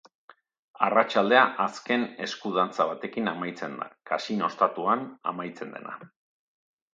Arratsaldea azken esku-dantza batekin amaitzen da, Kasino ostatuan amaitzen dena.